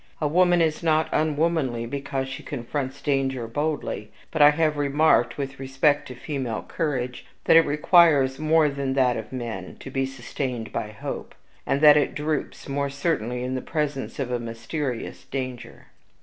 A woman is not unwomanly because she confronts danger boldly. But I have remarked, with respect to female courage, that it requires, more than that of men, to be sustained by hope; and that it droops more certainly in the presence of a MYSTERIOUS danger.